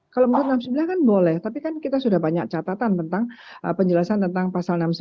kalau empat ratus enam puluh sembilan kan boleh tapi kan kita sudah banyak catatan tentang penjelasan tentang pasal enam puluh sembilan